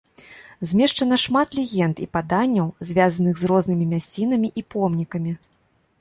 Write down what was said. Змешчана шмат легенд і паданняў, звязаных з рознымі мясцінамі і помнікамі.